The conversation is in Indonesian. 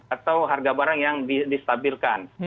atau harga barang yang distabilkan